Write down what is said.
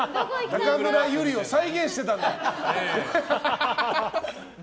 中村ゆりを再現していたんだ。